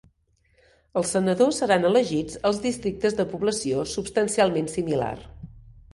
Els senadors seran elegits als districtes de població substancialment similar.